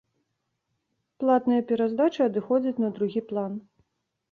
Платныя пераздачы адыходзяць на другі план.